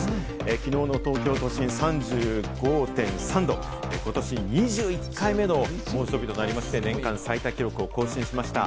きのうの東京都心は３５．３度、ことし２１回目の猛暑日となりまして、年間最多記録を更新しました。